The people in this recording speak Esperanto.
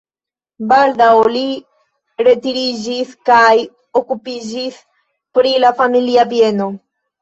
Baldaŭ li retiriĝis kaj okupiĝis pri la familia bieno.